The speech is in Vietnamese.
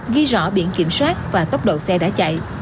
ghi rõ biển kiểm soát và tốc độ xe đã chạy